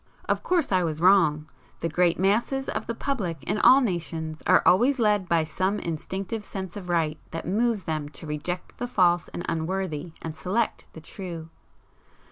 Of course I was wrong; the great masses of the public in all nations are always led by [p 173] some instinctive sense of right, that moves them to reject the false and unworthy, and select the true.